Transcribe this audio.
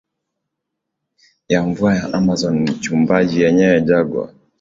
ya mvua ya Amazon mchumbaji yenyewe jaguar